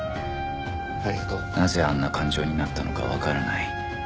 なぜあんな感情になったのかわからない